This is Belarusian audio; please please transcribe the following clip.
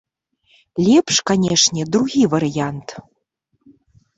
Лепш канечне другі варыянт.